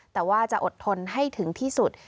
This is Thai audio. แต่ว่าจะอดทนให้ถึงที่สุด